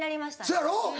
そやろ？